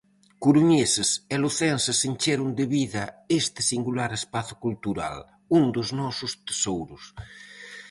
Coruñeses e lucenses encheron de vida este singular espazo cultural, un dos nosos tesouros.